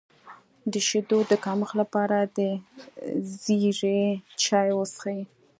د شیدو د کمښت لپاره د زیرې چای وڅښئ